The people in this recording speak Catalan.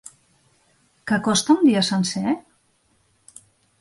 Que costa un dia sencer?